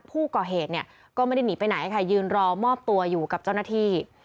ผู้ก่อเหตุเนี่ยก็ไม่ได้หนีไปไหนค่ะยืนรอมอบตัวอยู่กับเจ้าหน้าที่